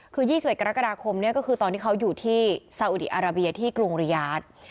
คือ๒๑กรกฎาคมก็คือตอนที่เขาอยู่ที่ซาอุดีอาราเบียที่กรุงริยาท